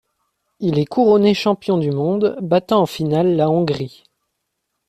Il est couronné champion du monde, battant en finale la Hongrie.